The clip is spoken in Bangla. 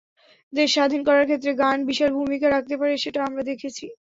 দেশ স্বাধীন করার ক্ষেত্রে গানও বিশাল ভূমিকা রাখতে পারে, সেটা আমরা দেখেছি।